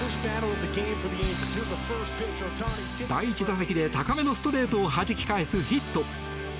第１打席で、高めのストレートをはじき返すヒット。